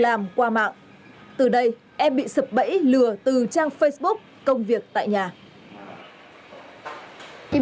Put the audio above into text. làm qua mạng từ đây em bị sập bẫy lừa từ trang facebook công việc tại nhà em cũng thanh tốt nhưng